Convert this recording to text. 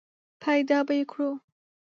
پیدا به یې کړو !